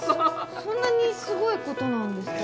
そんなにすごいことなんですか？